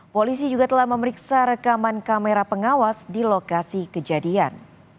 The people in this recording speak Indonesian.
polisi juga telah memeriksa rekaman kamera pengawas di lokasi kejadian